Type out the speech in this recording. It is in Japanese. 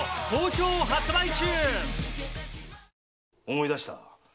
思い出した！